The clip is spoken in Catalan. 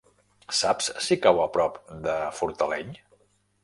Saps si cau a prop de Fortaleny?